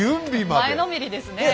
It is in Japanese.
前のめりですねえ。